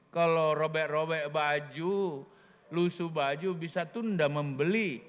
kalau robek robek baju lusu baju bisa tunda membeli